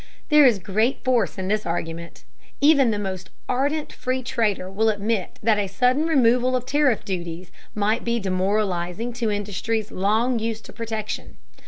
There is great force in this argument. Even the most ardent free trader will admit that a sudden removal of tariff duties might be demoralizing to industries long used to protection.